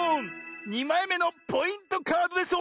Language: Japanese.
２まいめのポイントカードです！